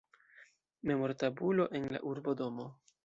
Memortabulo en la urbodomo.